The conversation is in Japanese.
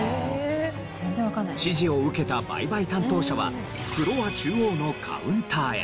指示を受けた売買担当者はフロア中央のカウンターへ。